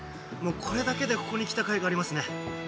これだけでここに来たかいがありますね。